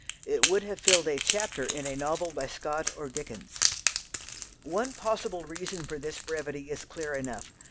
It would have filled a chapter in a novel by Scott or Dickens. One possible reason for this brevity is clear enough.